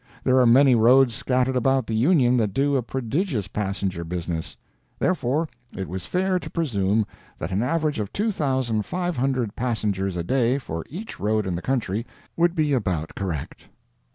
There are many roads scattered about the Union that do a prodigious passenger business. Therefore it was fair to presume that an average of 2,500 passengers a day for each road in the country would be almost correct.